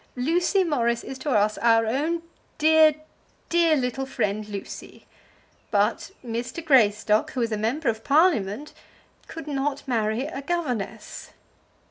Lucy Morris is to us our own dear, dear little friend Lucy. But Mr. Greystock, who is a Member of Parliament, could not marry a governess."